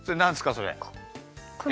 それ。